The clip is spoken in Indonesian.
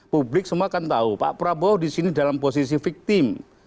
publik semua kan tahu pak prabowo di sini dalam posisi victim